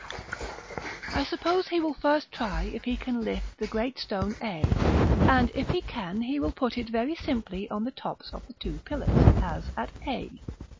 I suppose he will first try if he can lift the great stone a, and if he can, he will put it very simply on the tops of the two pillars, as at A.